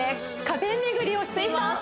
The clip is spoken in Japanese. カフェ巡りをしています